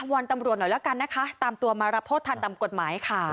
วอนตำรวจหน่อยแล้วกันนะคะตามตัวมารับโทษทันตามกฎหมายค่ะ